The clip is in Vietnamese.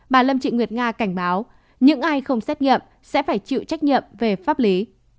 bà lâm trịnh nguyệt nga cảnh báo những ai không xét nghiệm sẽ phải chịu trách nhiệm về pháp lý